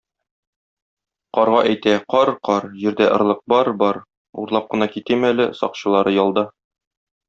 Карга әйтә: кар-кар, җирдә орлык бар-бар, урлап кына китим әле, сакчылары ялда...